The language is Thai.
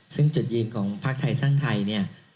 ซึ่งจุดยืนของภาคไทยสร้างไทยเนี่ย